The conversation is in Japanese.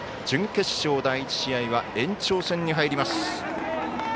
準決勝、第１試合は延長戦に入ります。